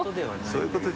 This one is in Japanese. そういうこと？